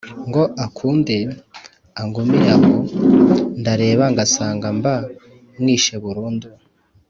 Ngo akunde angumire aho, Ndareba ngasangaMba mwishe burundu,